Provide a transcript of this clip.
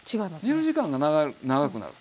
煮る時間が長くなる。